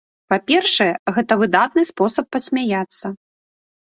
Па-першае, гэта выдатны спосаб пасмяяцца.